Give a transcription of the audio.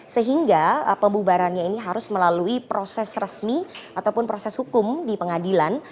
sehingga pembubarannya ini harus melalui proses resmi ataupun proses hukum di pengadilan